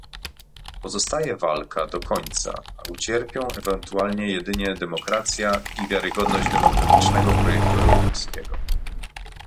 Pozostaje walka do końca, a ucierpią ewentualnie jedynie demokracja i wiarygodność demokratycznego projektu europejskiego